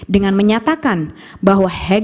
dengan menyatakan bahwa hegemoni kekuasaan